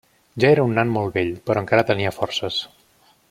Ja era un nan molt vell, però encara tenia forces.